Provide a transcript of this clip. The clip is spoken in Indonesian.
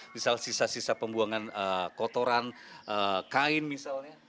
misal sisa sisa pembuangan kotoran kain misalnya